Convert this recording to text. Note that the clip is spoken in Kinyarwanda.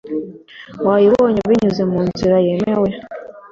wayibonye binyuze mu nzira yemewe